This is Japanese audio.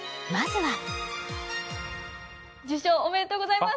受賞、おめでとうございます！